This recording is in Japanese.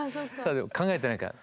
考えてないから。